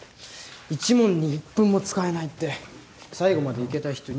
１問に１分も使えないって最後までいけた人いんのかな。